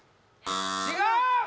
違う！